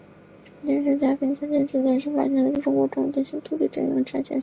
重庆杨家坪拆迁事件是一件发生在中国重庆市关于土地强制征用的拆迁事件。